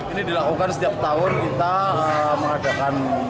ini dilakukan setiap tahun kita mengadakan